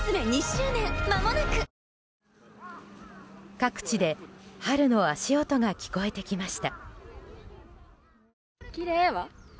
各地で春の足音が聞こえてきました。